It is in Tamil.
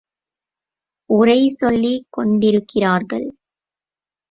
உரை சொல்லிக் கொண்டிருக்கிறார்கள்.